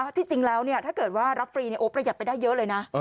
ที่จริงแล้วถ้าเกิดว่ารับฟรีประหยัดไปได้เยอะเลยนะ